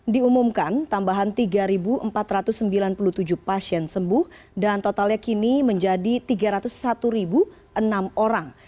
diumumkan tambahan tiga empat ratus sembilan puluh tujuh pasien sembuh dan totalnya kini menjadi tiga ratus satu enam orang